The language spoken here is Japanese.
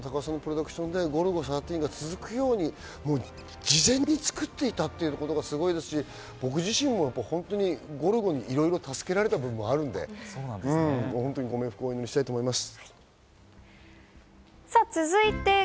『ゴルゴ１３』が続くように事前に作っていたというところがすごいですし、僕自身もゴルゴにいろいろ助けられた部分があるので、本当にご冥福をお祈りしたいと思います。